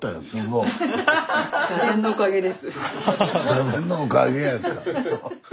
座禅のおかげや。